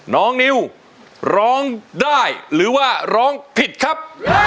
น้องนิวร้องได้หรือว่าร้องผิดครับ